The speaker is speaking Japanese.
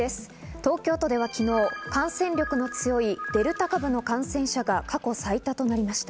東京都では昨日感染力の強いデルタ株の感染者が過去最多となりました。